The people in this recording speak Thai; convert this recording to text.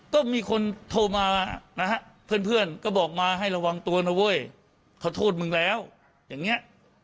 ก็มีคนโทรมานะฮะเพื่อนเพื่อนก็บอกมาให้ระวังตัวนะเว้ยขอโทษมึงแล้วอย่างเงี้ย